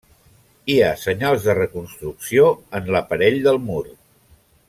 Hi ha senyals de reconstrucció en l'aparell del mur.